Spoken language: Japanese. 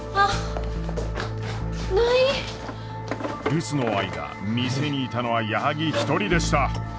留守の間店にいたのは矢作一人でした。